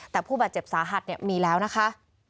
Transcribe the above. แต่ผู้บาดเจ็บสาหัสมีแล้วนะคะ